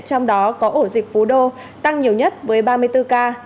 trong đó có ổ dịch phú đô tăng nhiều nhất với ba mươi bốn ca